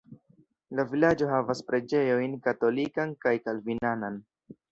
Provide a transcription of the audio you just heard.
La vilaĝo havas preĝejojn katolikan kaj kalvinanan.